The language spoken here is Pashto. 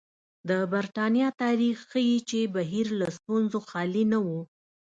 د برېټانیا تاریخ ښيي چې بهیر له ستونزو خالي نه و.